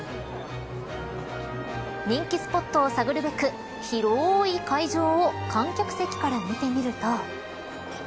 人気スポットを探るべく広い会場を観客席から見てみると。